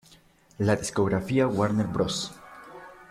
La discográfica Warner Bros.